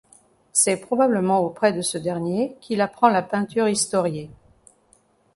C’est probablement auprès de ce dernier qu’il apprend la peinture historiée.